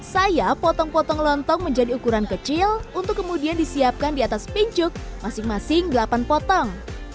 saya potong potong lontong menjadi ukuran kecil untuk kemudian disiapkan di atas pincuk masing masing delapan potong